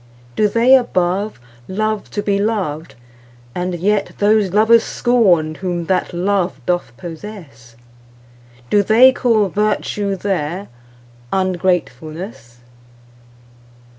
Do they above love to be loved, and yetThose lovers scorn whom that love doth possess? Do they call 'virtue' there—ungratefulness?